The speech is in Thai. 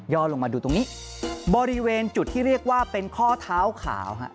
ลงมาดูตรงนี้บริเวณจุดที่เรียกว่าเป็นข้อเท้าขาวฮะ